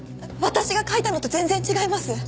私が書いたのと全然違います！